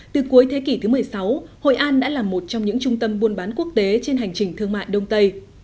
từ cuối thế kỷ thứ một mươi sáu hội an đã là một trong những trung tâm buôn bán quốc tế trên hành trình thương mại đông tây